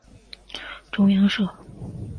中央社